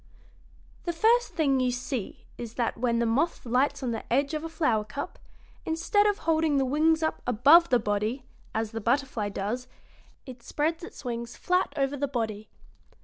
"The first thing you see is that when the moth lights on the edge of a flower cup, instead of holding the wings up above the body, as the butterfly does, it spreads its wings flat over the body.